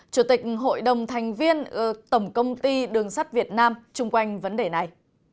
chủ tịch hội đồng thành viên tổng công ty đường sắt việt nam chung quanh vấn đề này